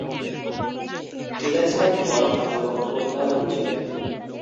এটা ছিল থর্ন এবং কোলনার বিজয়।